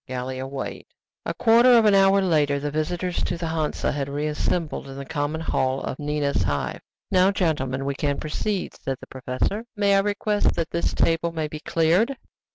GALLIA WEIGHED A quarter of an hour later, the visitors to the Hansa had reassembled in the common hall of Nina's Hive. "Now, gentlemen, we can proceed," said the professor. "May I request that this table may be cleared?"